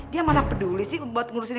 dia mana peduli sih untuk ngurusin